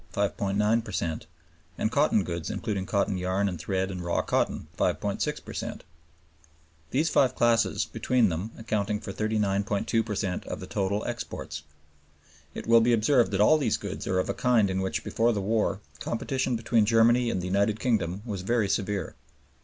9 per cent), and (5) Cotton goods, including cotton yarn and thread and raw cotton (5.6 per cent), these five classes between them accounting for 39.2 per cent. of the total exports. It will be observed that all these goods are of a kind in which before the war competition between Germany and the United Kingdom was very severe.